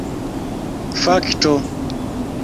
fakto